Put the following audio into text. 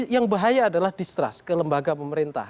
yang bahaya adalah distrust ke lembaga pemerintah